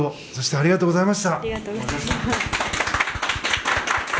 ありがとうございます。